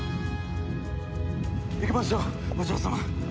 行きましょうお嬢様！